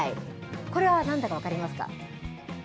これはなんだか分かりますか？